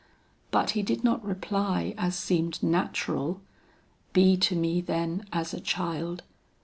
But he did not reply as seemed natural, "Be to me then as a child.